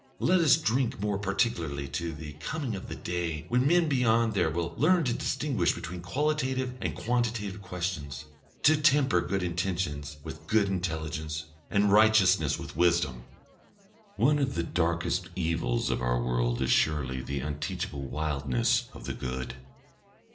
Let us drink more particularly to the coming of the day when men beyond there will learn to distinguish between qualitative and quantitative questions, to temper good intentions with good intelligence, and righteousness with wisdom. One of the darkest evils of our world is surely the unteachable wildness of the Good."